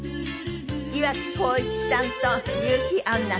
岩城滉一さんと結城アンナさんです。